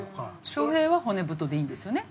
翔平は骨太でいいんですよね？